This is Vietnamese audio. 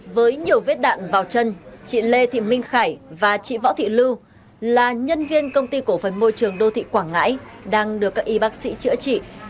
với nhiều vết đạn vào chân chị lê thị minh khải và chị võ thị lưu là nhân viên công ty cổ phần môi trường đô thị quảng ngãi đang được các y bác sĩ chữa trị